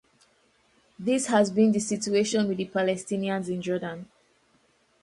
This has been the situation with the Palestinians in Jordan.